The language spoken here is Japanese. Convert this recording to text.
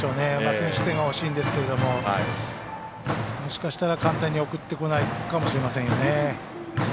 先取点が欲しいんですけどももしかしたら簡単に送ってこないかもしれませんよね。